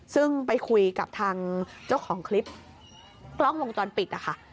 ซึ่งไปคุยกับทางเจ้าของคลิปกล้องวงจรปิดนะคะ